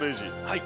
はい。